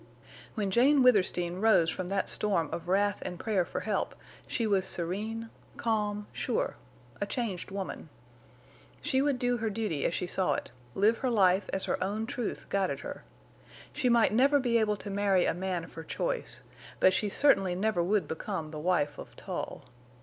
When Jane Withersteen rose from that storm of wrath and prayer for help she was serene, calm, sure—a changed woman. She would do her duty as she saw it, live her life as her own truth guided her. She might never be able to marry a man of her choice, but she certainly never would become the wife of Tull.